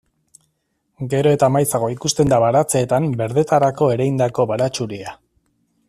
Gero eta maizago ikusten da baratzeetan berdetarako ereindako baratxuria.